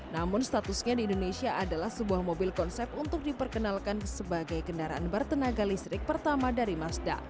namun statusnya di indonesia adalah sebuah mobil konsep untuk diperkenalkan sebagai kendaraan bertenaga listrik pertama dari mazda